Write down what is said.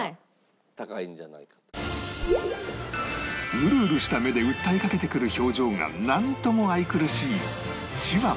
ウルウルした目で訴えかけてくる表情がなんとも愛くるしいチワワ